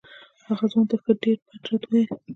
هغه ځوان ته یې ښه ډېر بد رد وویل.